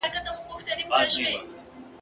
حیا مي راسي چي درته ګورم ..